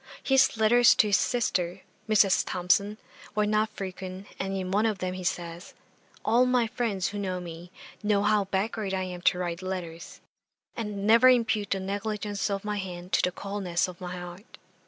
His letters to his sister, Mrs. Thomson, were not frequent, and in one of them he says, "All my friends who know me, know how backward I am to write letters; and never impute the negligence of my hand to the coldness of my heart."